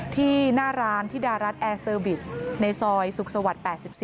ที่หน้าร้านธิดารัฐแอร์เซอร์วิสในซอยสุขสวรรค์๘๔